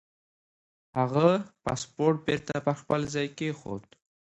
هغه پاسپورت بېرته پر خپل ځای کېښود.